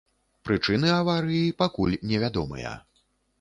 Прычыны аварыі пакуль невядомыя.